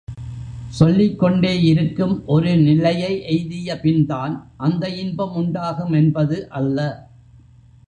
சொல்லிக்கொண்டே இருக்கும் ஒரு நிலையை எய்திய பின்தான் அந்த இன்பம் உண்டாகும் என்பது அல்ல.